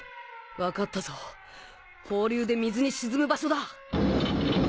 わかったぞ放流で水に沈む場所だ！